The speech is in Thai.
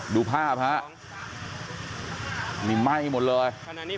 ดูภาพฮะนี่ไหม้หมดเลย